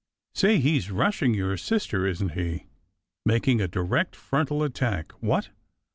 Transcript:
"Say, he s rushing your sister, isn t he? Making a direct frontal attack what?"